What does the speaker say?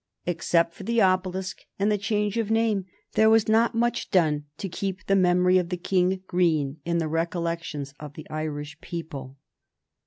Except for the obelisk and the change of name there was not much done to keep the memory of the King green in the recollections of the Irish people.